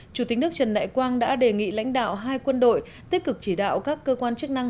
chủ tịch nước trần đại quang đã đề nghị lãnh đạo hai quân đội tích cực chỉ đạo các cơ quan chức năng